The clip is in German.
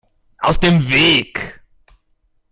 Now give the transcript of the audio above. Aus dem Weg!